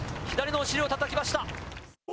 左のお尻をたたきました。